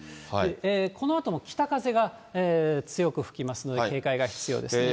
このあとも北風が強く吹きますので、警戒が必要ですね。